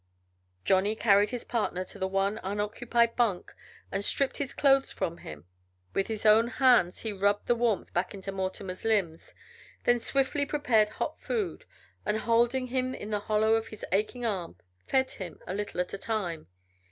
Johnny carried his partner to the one unoccupied bunk and stripped his clothes from him. With his own hands he rubbed the warmth back into Mortimer's limbs, then swiftly prepared hot food, and, holding him in the hollow of his aching arm, fed him, a little at a time.